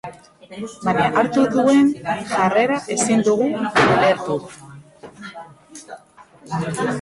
Baina hartu duen jarrera ezin dugu ulertu.